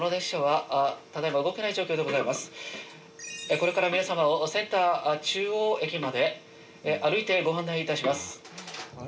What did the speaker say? これから皆様をセンター中央駅まで歩いてご案内致します。